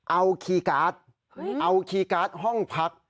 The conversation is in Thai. เอาคีย์การ์ดเอาคีย์การ์ดห้องพัก